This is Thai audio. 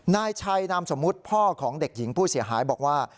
นายชัยนามสมมุติพ่อของเด็กหญิงผู้เสียหายบอกว่า